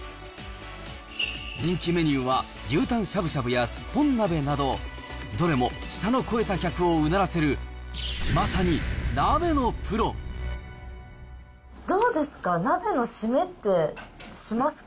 人気メニューは牛タンしゃぶしゃぶやすっぽん鍋など、どれも舌の肥えた客をうならせる、どうですか、鍋の締めってしますか？